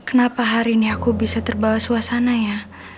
kenapa hari ini aku bisa terbawa suasana ya